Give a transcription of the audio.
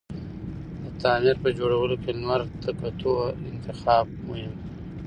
د تعمير په جوړولو کی لمر ته کوتو انتخاب مهم دی